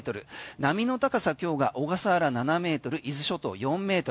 波の高さ今日が小笠原７ｍ伊豆諸島４ｍ。